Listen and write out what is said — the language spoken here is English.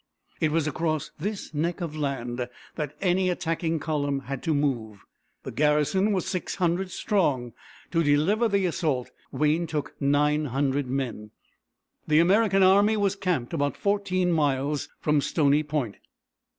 It was across this neck of land that any attacking column had to move. The garrison was six hundred strong. To deliver the assault Wayne took nine hundred men. The American army was camped about fourteen miles from Stony Point.